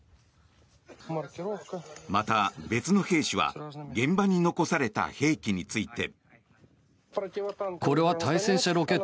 また、別の兵士は現場に残された兵器について。